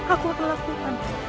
aku akan lakukan